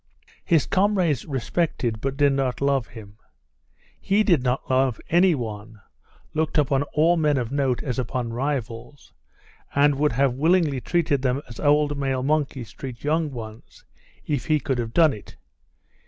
His comrades respected but did not love him. He did not love any one, looked upon all men of note as upon rivals, and would have willingly treated them as old male monkeys treat young ones if he could have done it.